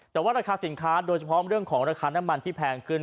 แต่ว่าราคาสินค้าโดยเฉพาะเรื่องของราคาน้ำมันที่แพงขึ้น